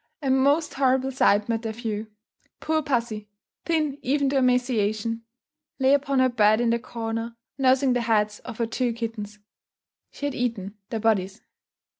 A most horrible sight met their view. Poor pussy, thin even to emaciation, lay upon her bed in the corner, nursing the heads of her two kittens. She had eaten their bodies.